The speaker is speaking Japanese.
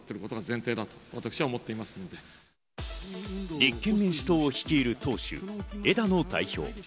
立憲民主党を率いる党首・枝野代表。